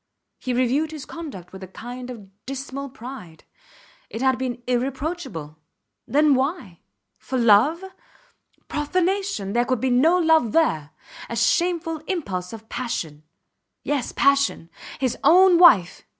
He reviewed his conduct with a kind of dismal pride. It had been irreproachable. Then, why? For love? Profanation! There could be no love there. A shameful impulse of passion. Yes, passion. His own wife!